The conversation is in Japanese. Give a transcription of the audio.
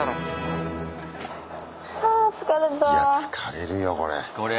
いや疲れるよこれ。